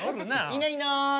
いないいない。